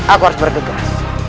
aku harus bergegas